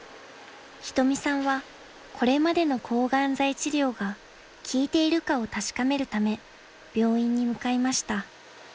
［仁美さんはこれまでの抗がん剤治療が効いているかを確かめるため病院に向かいました］